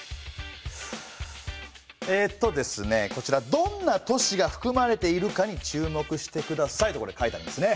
「どんな都市が含まれているかに注目してください」とこれ書いてありますね。